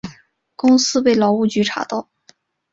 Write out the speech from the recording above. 公司被劳工局查到